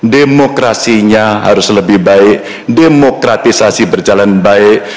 demokrasinya harus lebih baik demokratisasi berjalan baik